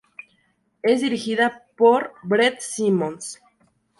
Es dirigida por Brett Simons.